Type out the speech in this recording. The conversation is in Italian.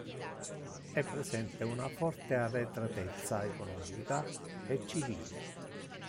È presente una forte arretratezza economica e civile.